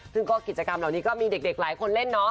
ซึ่งก็กิจกรรมเหล่านี้ก็มีเด็กหลายคนเล่นเนาะ